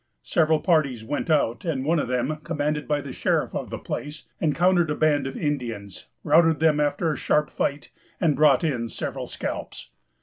Several parties went out; and one of them, commanded by the sheriff of the place, encountered a band of Indians, routed them after a sharp fight, and brought in several scalps.